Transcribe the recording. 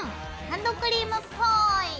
ハンドクリームっぽい。